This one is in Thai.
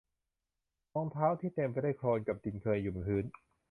รอยเท้าที่เต็มไปด้วยโคลนกับดินเคยอยู่บนพื้น